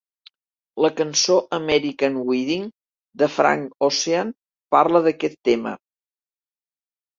La cançó American Wedding de Frank Ocean parla d'aquest tema.